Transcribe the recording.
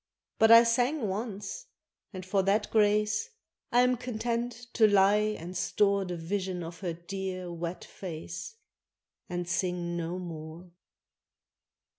But I sang once and for that grace I am content to lie and store The vision of her dear, wet face, And sing no more.